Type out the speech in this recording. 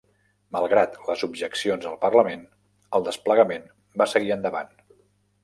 Malgrat les objeccions al Parlament, el desplegament va seguir endavant.